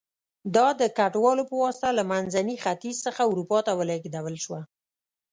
دا د کډوالو په واسطه له منځني ختیځ څخه اروپا ته ولېږدول شوه